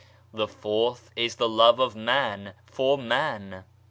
The fourth is the love of man for man.